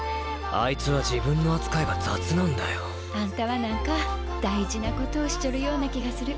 あいつは自分の扱いが雑なんだよ。あんたは何か、大事なことをしちょるような気がする。